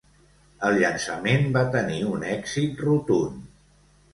El llançament va tenir un èxit rotund.